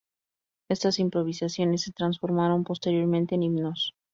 Estas improvisaciones se transformaron posteriormente en himnos.